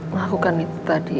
melakukan itu tadi